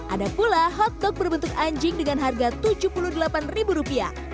ada pula hotdog berbentuk anjing dengan harga rp tujuh puluh delapan